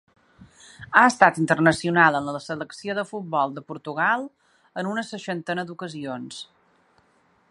Ha estat internacional amb la selecció de futbol de Portugal en una seixantena d'ocasions.